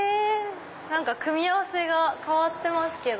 何か組み合わせが変わってますけど。